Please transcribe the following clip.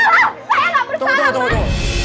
tunggu tunggu tunggu